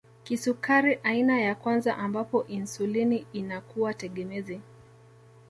Kisukari aina ya kwanza ambapo insulini inakuwa tegemezi